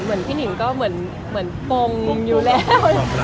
เหมือนพี่หนิงก็เหมือนปงอยู่แล้ว